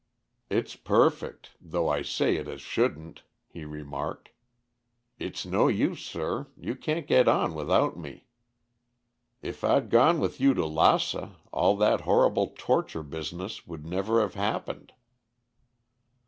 "It's perfect; though I say it as shouldn't," he remarked. "It's no use, sir; you can't get on without me. If I'd gone with you to Lassa, all that horrible torture business would never have happened."